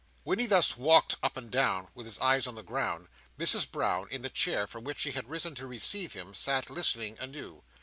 While he thus walked up and down with his eyes on the ground, Mrs Brown, in the chair from which she had risen to receive him, sat listening anew.